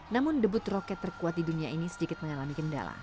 namun debut roket terkuat di dunia ini sedikit mengalami kendala